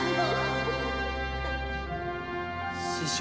師匠。